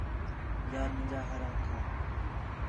ذال مینجا ہر آکھا